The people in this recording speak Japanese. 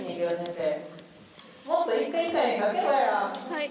はい。